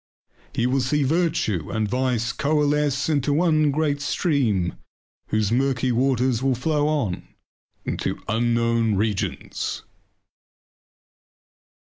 He will see virtue and vice coalesce in one great stream whose murky waters will flow on into unknown regions.